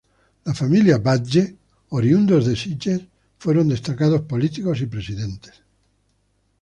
La familia Batlle, oriundos de Sitges, fueron destacados políticos y presidentes.